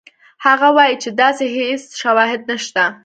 هغه وایي چې داسې هېڅ شواهد نشته.